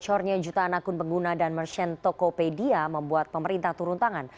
cornya jutaan akun pengguna dan merchant tokopedia membuat pemerintah turun tangan